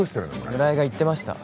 村井が言ってました